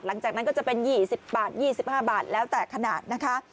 หลังจากนั้นก็จะเป็นยี่สิบบาทยี่สิบห้าบาทแล้วแต่ขนาดนะคะ